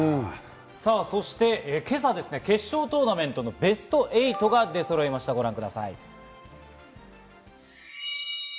そして今朝、決勝トーナメントのベスト８が出そろいました、ご覧ください。